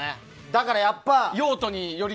だから、やっぱり。